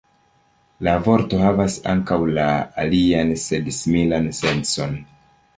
La vorto havas ankaŭ la alian sed similan sencon.